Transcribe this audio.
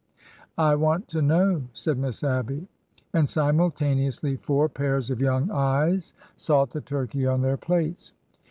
" I want to know !" said Miss Abby. IN THE SCHOOL HOUSE 51 And simultaneously four pairs of young eyes sought the turkey on their plates.